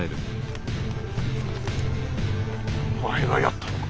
お前がやったのか？